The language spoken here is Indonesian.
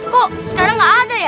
kok sekarang gak ada ya